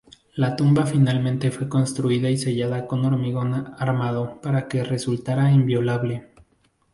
La tumba finalmente fue construida y sellada con hormigón armado para que resultara inviolable.